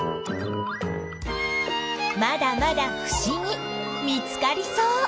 まだまだふしぎ見つかりそう。